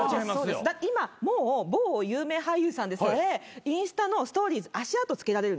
だって今もう某有名俳優さんでさえインスタのストーリー足跡つけられるんですね。